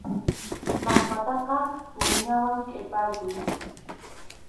Maqmataqa puruñawan kirpaykuy.